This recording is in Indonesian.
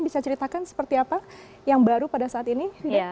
bisa ceritakan seperti apa yang baru pada saat ini